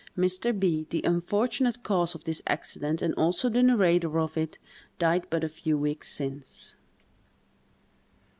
Mr. B——, the unfortunate cause of this accident and also the narrator of it, died but a few weeks since.